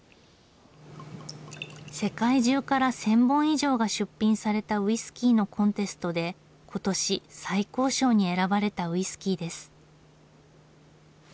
世界中から１，０００本以上が出品されたウイスキーのコンテストで今年最高賞に選ばれたウイスキーです。